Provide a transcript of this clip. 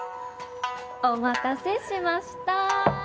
お待たせしました！